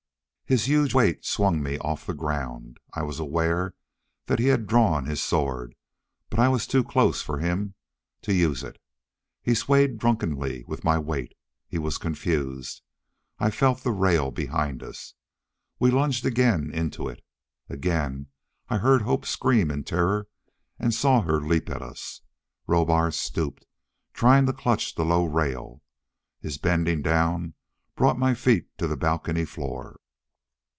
His huge height swung me off the ground. I was aware that he had drawn his sword, but I was too close for him to use it. He swayed drunkenly with my weight; he was confused. I felt the rail behind us. We lunged again into it. Again I heard Hope scream in terror, and saw her leap at us. Rohbar stooped, trying to clutch the low rail. His bending down brought my feet to the balcony floor.